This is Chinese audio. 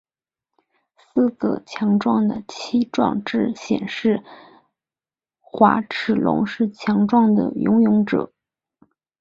四个强壮的鳍状肢显示滑齿龙是强壮的游泳者。